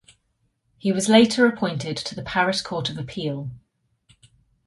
He was later appointed to the Paris Court of Appeal.